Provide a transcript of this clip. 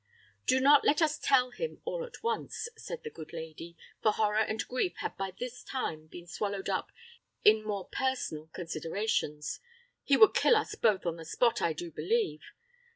"Do not let us tell him all at once," said the good lady, for horror and grief had by this time been swallowed up in more personal considerations; "he would kill us both on the spot, I do believe.